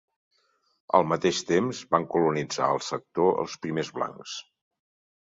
Al mateix temps, van colonitzar el sector els primers blancs.